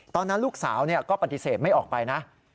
ตอนนั้นลูกสาวก็ปฏิเสธไม่ออกไปนะ